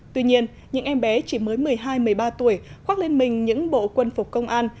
tuy nhiên những em bé chỉ mới một mươi hai một mươi ba tuổi khoác lên mình những bộ quân phục công an